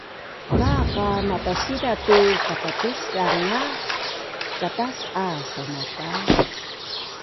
Maaq a mapasizain tu pakatuszangan a katas’a saumataz